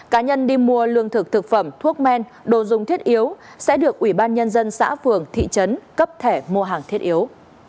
cá nhân đi mua lương thực thực phẩm thuốc men đồ dùng thiết yếu sẽ được ủy ban nhân dân xã phường thị trấn cấp thẻ mua hàng thiết yếu